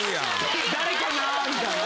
誰かな？みたいな。